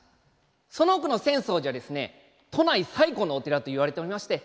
その奥の浅草寺はですね都内最古のお寺といわれておりまして